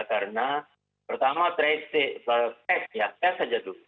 karena pertama tes saja tuh